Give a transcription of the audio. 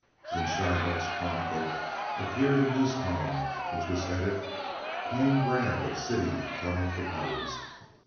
In Schryhart's Chronicle appeared a news column which was headed, "Plain Grab of City Tunnel Proposed."